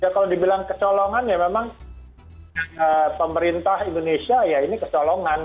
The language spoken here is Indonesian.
kalau dibilang kecolongan ya memang pemerintah indonesia ya ini kecolongan